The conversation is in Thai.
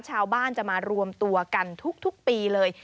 ชาวบ้านจะมารวมตัวกันทุกปีเลย